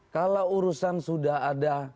kalau urusan sudah ada